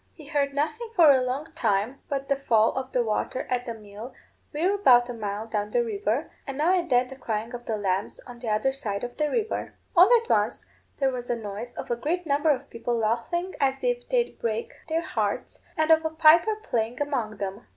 He heard nothing for a long time but the fall of the water at the mill weir about a mile down the river, and now and then the crying of the lambs on the other side of the river. All at once there was a noise of a great number of people laughing as if they'd break their hearts, and of a piper playing among them.